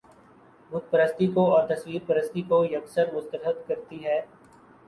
بت پرستی کو اور تصویر پرستی کو یک سر مسترد کرتی ہے